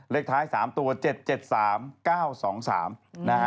เลขท้าย๓ตัว๗๗๓๙๒๓นะฮะ